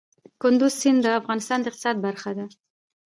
کندز سیند د افغانستان د اقتصاد برخه ده.